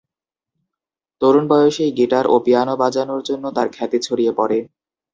তরুণ বয়সেই গিটার ও পিয়ানো বাজানোর জন্য তার খ্যাতি ছড়িয়ে পড়ে।